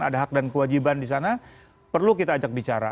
ada hak dan kewajiban di sana perlu kita ajak bicara